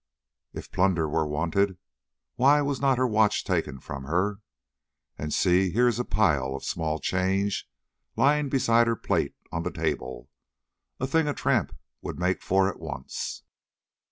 If plunder were wanted, why was not her watch taken from her? And see, here is a pile of small change lying beside her plate on the table, a thing a tramp would make for at once."